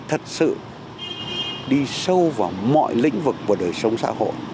thật sự đi sâu vào mọi lĩnh vực của đời sống xã hội